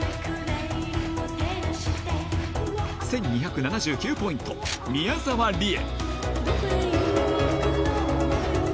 １２７９ポイント、宮沢りえ。